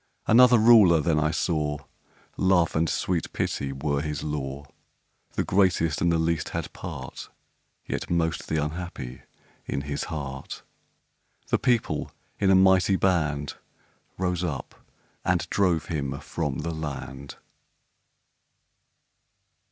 Another Ruler then I saw Love and sweet Pity were his law: The greatest and the least had part (Yet most the unhappy) in his heart The People, in a mighty band, Rose up, and drove him from the land!